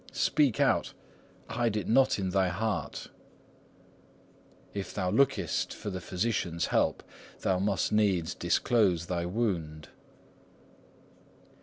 '"Speak out, hide it not in thy heart." If thou lookest for the physician's help, thou must needs disclose thy wound.'